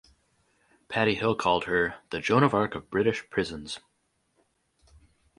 Paddy Hill called her "the Joan of Arc of British prisons".